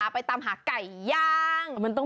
ไปตามหาไก่ย่าง